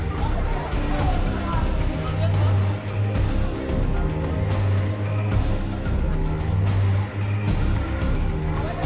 โปรดติดตามต่อไป